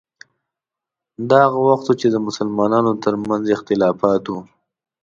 دا هغه وخت و چې د مسلمانانو ترمنځ اختلافات وو.